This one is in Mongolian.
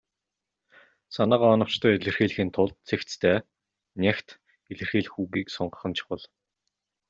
Санаагаа оновчтой илэрхийлэхийн тулд цэгцтэй, нягт илэрхийлэх үгийг сонгох нь чухал.